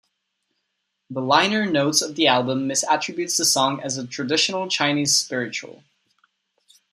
The liner notes of the album misattributes the song as a traditional Chinese spiritual.